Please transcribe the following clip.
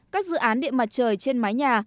các dự án điện mặt trời trên mái nhà